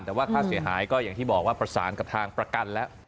แต่ว่าค่าเสียหายก็อย่างที่บอกว่าประสานกับทางประกันแล้ว